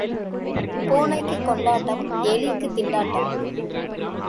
பூனைக்குக் கொண்டாட்டம், எலிக்குத் திண்டாட்டம்.